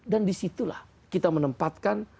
dan disitulah kita menempatkan